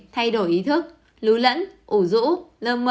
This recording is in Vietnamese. thay đổi ý thức lưu lẫn ủ rũ lơ mơ